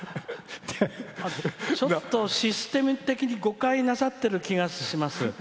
ちょっとシステム的に誤解をなさっている気がします。